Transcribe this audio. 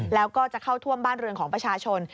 แล้วก็จะเข้าท่วมบ้านเรือนของประชาชน